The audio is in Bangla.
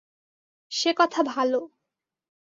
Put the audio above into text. সে কথা ভালো।